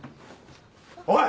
おい！